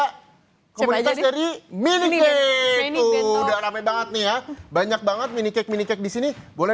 komunitas dari minike itu udah rame banget nih ya banyak banget mini cake mini cake di sini boleh